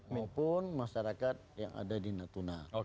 maupun masyarakat yang ada di natuna